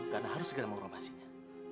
karena harus segera mengorombasinya